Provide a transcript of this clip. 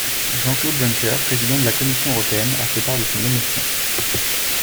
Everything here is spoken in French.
Jean-Claude Juncker, président de la Commission européenne, a fait part de son émotion.